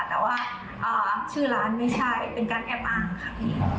แต่ว่าชื่อร้านไม่ใช่เป็นการแอบอ้างค่ะพี่